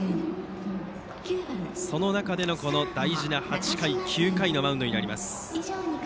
その中での大事な８回、９回のマウンドになります。